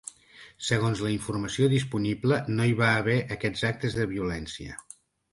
Segons la informació disponible, no hi va haver aquests actes de violència.